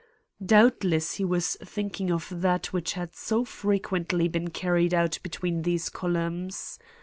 Doubtless he was thinking of that which had so frequently been carried out between those columns.